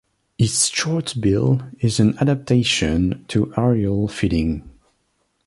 Its short bill is an adaptation to aerial feeding.